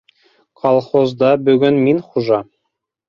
Колхозда бөгөн мин хужа.